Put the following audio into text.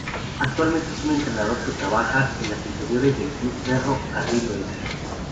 Actualmente es un entrenador que trabaja en las inferiores del Club Ferro Carril Oeste.